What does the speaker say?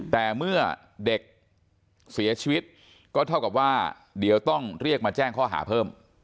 แต่เมื่อเด็กเสียชีวิตก็เท่ากับว่าเดี๋ยวต้องเรียกมาแจ้งข้อหาเพิ่ม